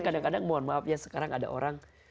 kadang kadang mohon maaf ya sekarang ada orang